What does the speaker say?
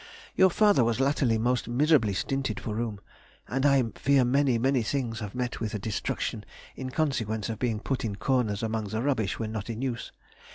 Your father was latterly most miserably stinted for room, and I fear many, many things have met with destruction in consequence of being put by in corners among rubbish when not in use.